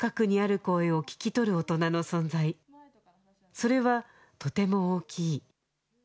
それはとても大きい